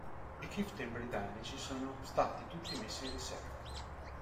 I Chieftain britannici sono stati tutti messi in riserva.